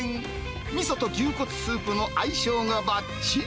みそと牛骨スープの相性がばっちり。